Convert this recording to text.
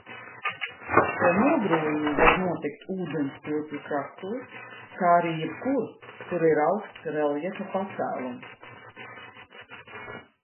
Šie nogruvumi var notikt ūdenstilpju krastos, kā arī jebkur, kur ir augsts reljefa pacēlums.